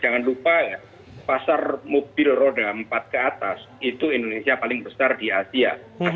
jangan lupa ya pasar mobil roda empat ke atas itu indonesia paling besar di asia